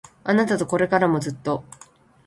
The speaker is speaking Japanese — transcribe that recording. あなたとこれからもずっと